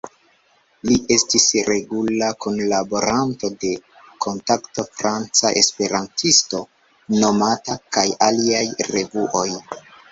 Li estis regula kunlaboranto de "Kontakto," "Franca Esperantisto", "Monato" kaj aliaj revuoj.